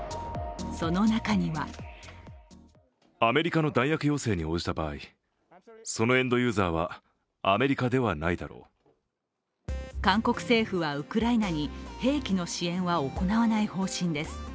その中には韓国政府はウクライナに兵器の支援は行わない方針です。